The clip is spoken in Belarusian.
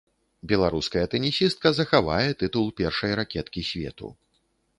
Беларуская тэнісістка захавае тытул першай ракеткі свету.